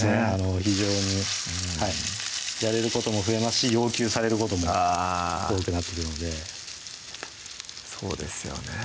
非常にやれることも増えますし要求されることも多くなってくるのでそうですよね